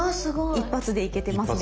一発で行けてますね。